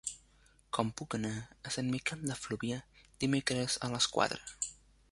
Com puc anar a Sant Miquel de Fluvià dimecres a les quatre?